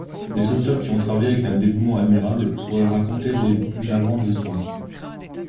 Les sauveteurs, qui ont travaillé avec un dévouement admirable, pourraient raconter les plus navrantes histoires.